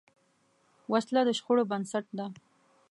وسله د شخړو بنسټ ده